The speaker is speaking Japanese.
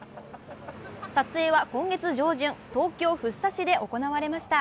撮影は今月上旬、東京・福生市で行われました。